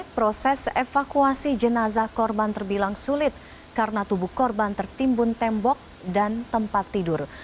proses evakuasi jenazah korban terbilang sulit karena tubuh korban tertimbun tembok dan tempat tidur